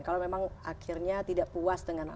kalau memang akhirnya tidak puas dengan